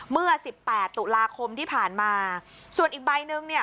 เมื่อสิบแปดตุลาคมที่ผ่านมาส่วนอีกใบหนึ่งเนี่ย